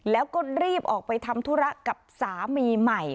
แล้วก็รีบออกไปทำธุระกับสามีใหม่